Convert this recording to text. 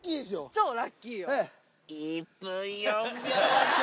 超ラッキーよ。